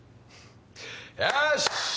よし！